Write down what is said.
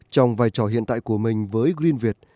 trong vai trò hiện tại của mình với greenviet